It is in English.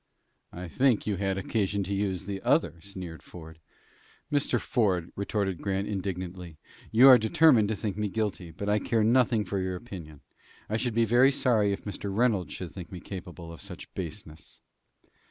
"I think you had occasion to use the other," sneered Ford. "Mr. Ford," retorted Grant, indignantly, "you are determined to think me guilty; but I care nothing for your opinion. I should be very sorry if Mr. Reynolds should think me capable of such baseness."